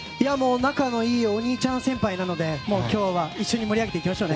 仲のいいお兄ちゃん先輩なので今日は一緒に盛り上げていきましょう！